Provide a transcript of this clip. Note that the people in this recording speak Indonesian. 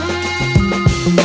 nggak ada yang denger